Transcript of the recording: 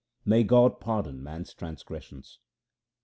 God may pardon man's transgressions.